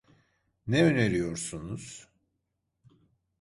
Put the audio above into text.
Ne öneriyorsunuz?